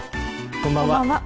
こんばんは。